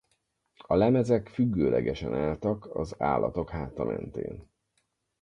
A lemezek függőlegesen álltak az állatok háta mentén.